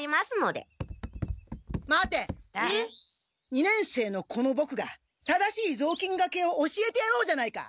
二年生のこのボクが正しいぞうきんがけを教えてやろうじゃないか！